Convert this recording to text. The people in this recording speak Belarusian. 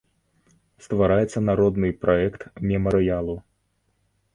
Ствараецца народны праект мемарыялу.